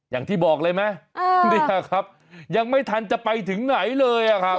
อย่างที่บอกเลยไหมเนี่ยครับยังไม่ทันจะไปถึงไหนเลยอะครับ